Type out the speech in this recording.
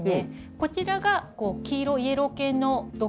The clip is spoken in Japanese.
こちらが黄色イエロー系の同系色の。